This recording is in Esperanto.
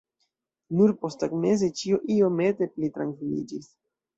Nur posttagmeze ĉio iomete pli trankviliĝis.